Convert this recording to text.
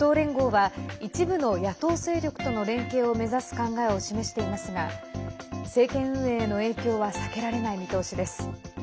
与党連合は一部の野党勢力との連携を目指す考えを示していますが政権運営への影響は避けられない見通しです。